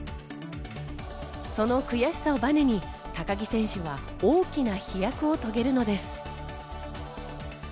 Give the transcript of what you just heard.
その悔しさをバネに高木選手は大きな飛躍を遂げるのです。